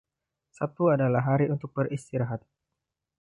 Sabtu adalah hari untuk beristirahat.